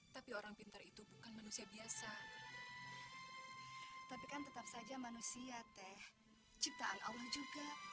tapi orang pintar itu bukan manusia biasa tapi kan tetap saja manusia teh ciptaan allah juga